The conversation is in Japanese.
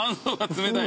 冷たい。